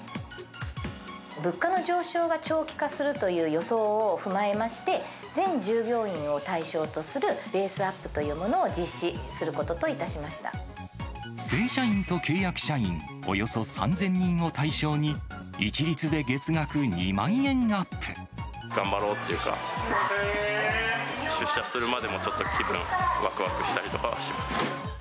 物価の上昇が長期化するという予想を踏まえまして、全従業員を対象とするベースアップというものを実施することとい正社員と契約社員およそ３０００人を対象に、頑張ろうっていうか、出社するまでもちょっと気分わくわくしたりとかはします。